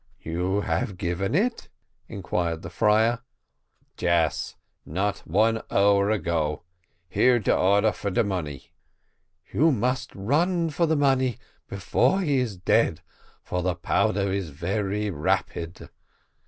"You have given it?" inquired the friar. "Yes not one hour ago. Here de order for de money." "You must run for the money before he is dead, for the powder is very rapid."